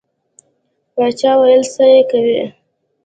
باچا ویل څه یې کوې.